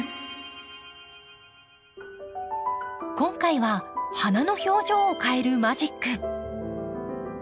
今回は花の表情を変えるマジック。